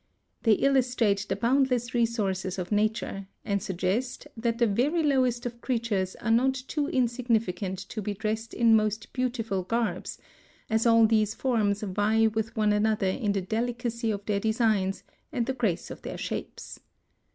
They illustrate the boundless resources of nature, and suggest that the very lowest of creatures are not too insignificant to be dressed in most beautiful garbs, as all these forms vie with one another in the delicacy of their designs (Fig. 9) and the grace of their shapes.